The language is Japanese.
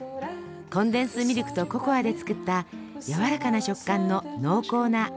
コンデンスミルクとココアで作ったやわらかな食感の濃厚な味。